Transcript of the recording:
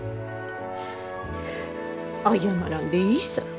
謝らんでいいさぁ。